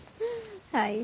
はい。